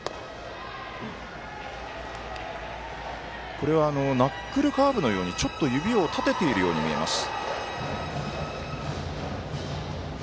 これはナックルカーブのようにちょっと指を立てているように見えます。